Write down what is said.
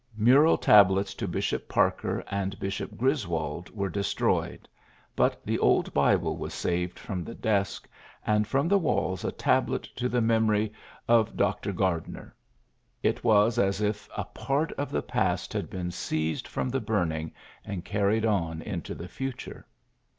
Mural tab lets to Bishop Parker and Bishop Gris wold were destroyed ; but the old Bible was saved from the desk, and from the walls a tablet to the memory of Dr. Gar 44 PHILLIPS BEOOKS diner. It was as if a part of the past had been seized from the burning and carried on into the future.